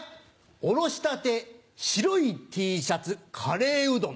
おろしたて白いＴシャツカレーうどん